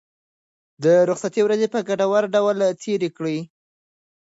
د رخصتۍ ورځې په ګټور ډول تېرې کړئ.